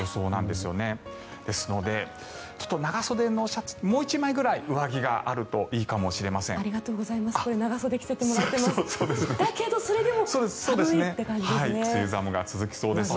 ですので、長袖のシャツもう１枚ぐらい上着があるといいかもしれないです。